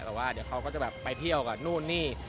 แต่ว่าเดี๋ยวเขาก็จะแบบไปเที่ยวกับนู่นนี่